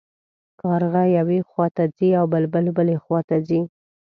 کارغه یوې خوا ته ځي او بلبل بلې خوا ته ځي.